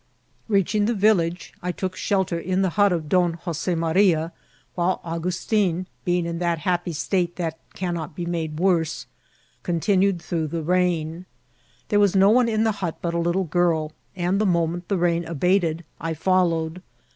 Beaching the village, I took shelter in the hut of Don Jose Maria, while Augustin, being in that happy state that cannot be made worse, continued through the rain« A THUNDBE STORM. 118 There was no one in the hut but a little girl, and the moment the rain abated I followed.